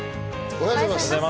おはようございます。